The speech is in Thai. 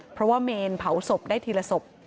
เพราะว่าเมนเผาศพได้ทีละศพ